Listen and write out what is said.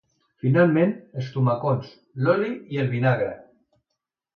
Finalment, els tomacons, l’oli i el vinagre.